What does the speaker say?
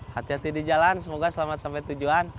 hati hati di jalan semoga selamat sampai tujuan